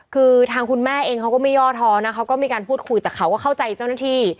คือทางคุณแม่เองเขาก็ไม่ย่อท้อนะเขาก็มีการพูดคุยแต่เขาก็เข้าใจเจ้าหน้าที่